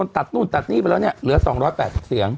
ตัดตู้ตัดหนี้อยู่ไปแล้วเนี่ยเหลือ๒๗๐เสียง